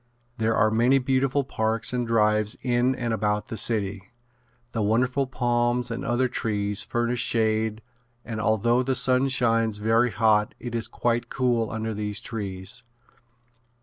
There are many beautiful parks and drives in and about the city. The wonderful palms and other trees furnish shade and although the sun shines very hot it is quite cool under these trees.